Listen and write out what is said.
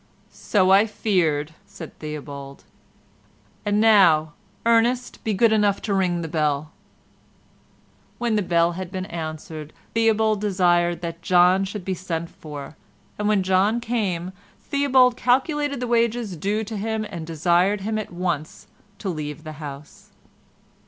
"So I feared," said Theobald, "and now, Ernest, be good enough to ring the bell." When the bell had been answered, Theobald desired that John should be sent for, and when John came Theobald calculated the wages due to him and desired him at once to leave the house.